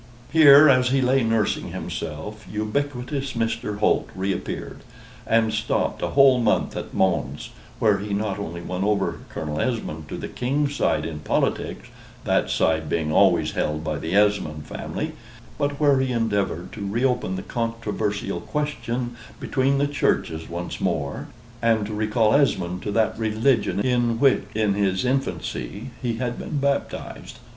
Here, as he lay nursing himself, ubiquitous Mr. Holt reappeared, and stopped a whole month at Mons, where he not only won over Colonel Esmond to the King's side in politics (that side being always held by the Esmond family); but where he endeavored to reopen the controversial question between the churches once more, and to recall Esmond to that religion in which, in his infancy, he had been baptized.